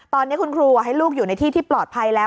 ตอนนี้คุณครูให้ลูกอยู่ในที่ที่ปลอดภัยแล้ว